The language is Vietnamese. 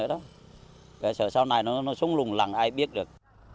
cái sợ sau này nó xuống lùng lằn ai biết được